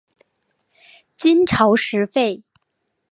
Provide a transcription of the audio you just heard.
金朝时废。